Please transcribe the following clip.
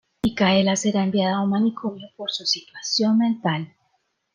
Micaela será enviada a un manicomio por su situación mental.